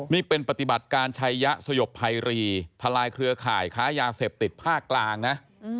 นี่เป็นปฏิบัติการชัยยะสยบภัยรีทลายเครือข่ายค้ายาเสพติดภาคกลางนะ